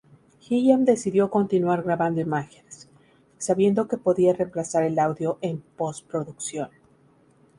Gilliam decidió continuar grabando imágenes, sabiendo que podía reemplazar el audio en posproducción.